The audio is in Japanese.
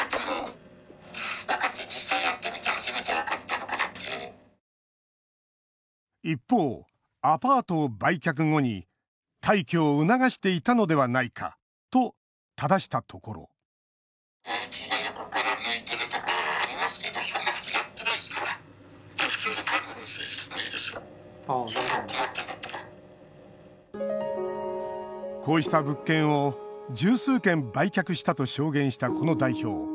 見解を問いました一方、アパートを売却後に退去を促していたのではないかとただしたところこうした物件を十数件売却したと証言した、この代表。